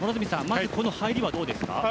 まず、この入りはどうですか？